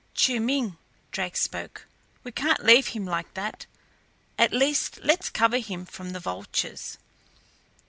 "Chiu Ming," Drake spoke. "We can't leave him like that. At least let's cover him from the vultures."